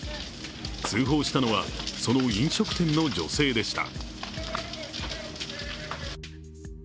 通報したのは、その飲食店の女性でした。